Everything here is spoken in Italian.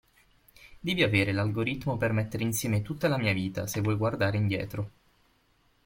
Devi avere l‘algoritmo per mettere insieme tutta la mia vita se vuoi guardare indietro.